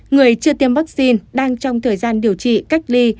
người chưa tiêm vaccine đang trong thời gian điều trị cách ly